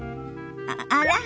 あら？